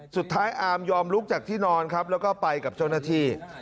อามยอมลุกจากที่นอนครับแล้วก็ไปกับเจ้าหน้าที่